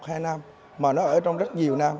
hai năm mà nó ở trong rất nhiều năm